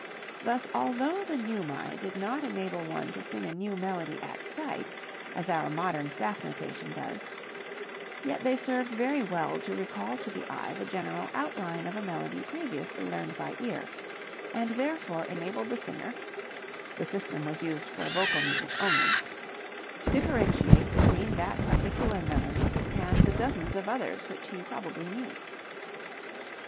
Thus although the neumae did not enable one to sing a new melody at sight as our modern staff notation does, yet they served very well to recall to the eye the general outline of a melody previously learned by ear and therefore enabled the singer (the system was used for vocal music only) to differentiate between that particular melody and the dozens of others which he probably knew.